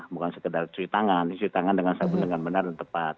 bukan sekedar cuci tangan cuci tangan dengan sabun dengan benar dan tepat